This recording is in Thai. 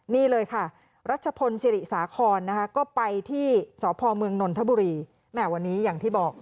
นี่เลยค่ะรัชพลศิริสาครนะคะก็ไปที่สพเมืองนนทบุรีแหมวันนี้อย่างที่บอก